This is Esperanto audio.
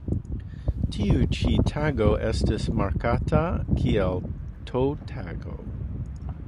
Tiu ĉi tago estas markata kiel T-Tago.